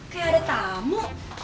kayak ada tamu